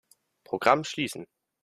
Programm schließen.